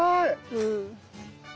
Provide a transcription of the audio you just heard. うん。